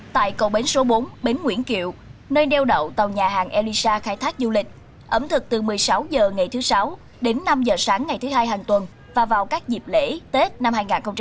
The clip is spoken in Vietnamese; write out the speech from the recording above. tại cầu bến số bốn bến nguyễn kiệu nơi đeo đậu tàu nhà hàng elisa khai thác du lịch ẩm thực từ một mươi sáu h ngày thứ sáu đến năm h sáng ngày thứ hai hàng tuần và vào các dịp lễ tết năm hai nghìn hai mươi